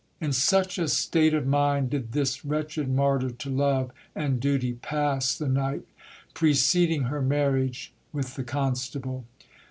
In such a state of mind did this wretched martyr to love and duty pass the night preceding her marriage with the constable.